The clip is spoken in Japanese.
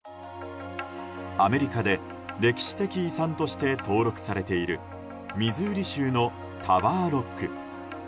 アメリカで歴史的遺産として登録されているミズーリ州のタワーロック。